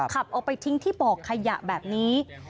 ขับเอาไปทิ้งที่บ่อขยะแบบนี้